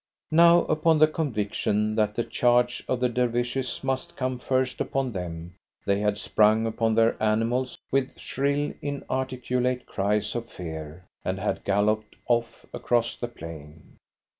Now upon the conviction that the charge of the Dervishes must come first upon them, they had sprung upon their animals with shrill, inarticulate cries of fear, and had galloped off across the plain.